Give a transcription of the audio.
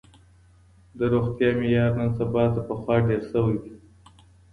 د روغتيا معيار نن سبا تر پخوا ډير ښه سوی دی.